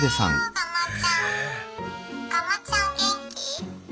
ガマちゃん元気？